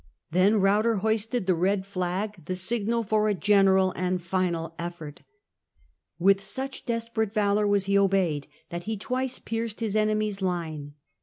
Then Ruyter hoisted the red flag, the signal for a general and final effort. With such desperate valour was he obeyed that he twice pierced his enemy's line.